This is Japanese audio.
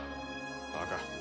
バカ。